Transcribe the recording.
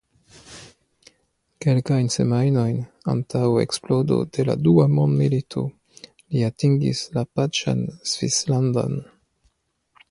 Kelkajn semajnojn antaŭ eksplodo de la Dua mondmilito li atingis la pacan Svislandon.